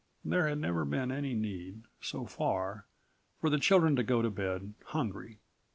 There had never been any need, so far, for the children to go to bed hungry.